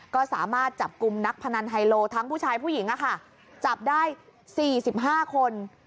ก็สามารถจับกลุ่มนักพนันไฮโลทั้งผู้ชายผู้หญิงจับได้๔๕คน